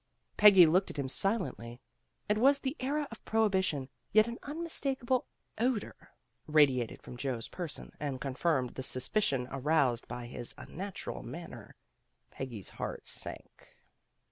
Peggy looked at him silently. It was the era of prohibition, yet an unmistakable odor radiated from Joe's person and confirmed the THE RUMMAGE SALE 81 suspicion aroused by his unnatural manner. Peggy's heart sank.